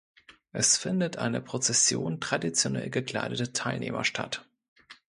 Es findet eine Prozession traditionell gekleideter Teilnehmer statt.